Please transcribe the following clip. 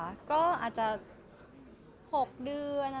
ก็อาจจะ๖เดือน